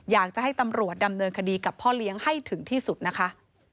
อยากจะให้ตำรวจดำเนินคดีกับพ่อเลี้ยงให้ถึงที่สุดนะคะ